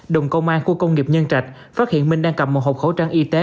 đồng công an khu công nghiệp nhân trạch phát hiện minh đang cầm một hộp khẩu trang y tế